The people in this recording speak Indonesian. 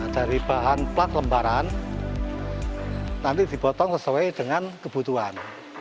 dari bahan plat lembaran nanti dibotong sesuai dengan kebutuhan